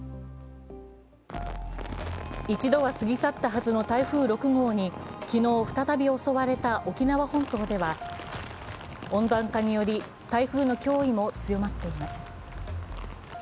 一度は過ぎ去ったはずの台風６号に昨日、再び襲われた沖縄本島では温暖化により台風の脅威も強まっています。